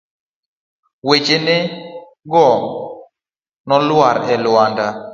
Wechene go nolwar e lwanda.